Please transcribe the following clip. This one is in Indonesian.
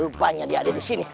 rupanya dia ada di sini